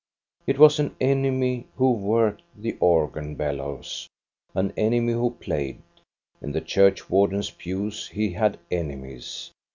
It was an enemy who worked the organ bellows, an enemy who played. In the churchwardens' pews he had enemies.